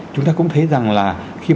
chúng ta cũng thấy